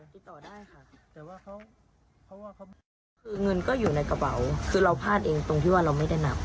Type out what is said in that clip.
คือเงินก็อยู่ในกระเบาคือเราพลาดเองตรงที่ว่าเราไม่ได้นับ